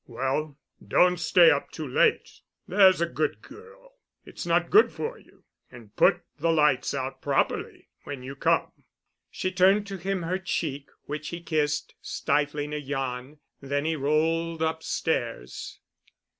"Well, don't stay up too late, there's a good girl, it's not good for you; and put the lights out properly when you come." She turned to him her cheek, which he kissed, stifling a yawn; then he rolled upstairs.